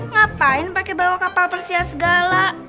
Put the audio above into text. ngapain pakai bawa kapal persia segala